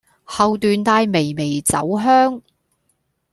後段帶微微酒香